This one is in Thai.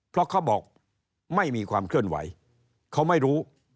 เพราะเขาบอกไม่มีความเคลื่อนไหวเขาไม่รู้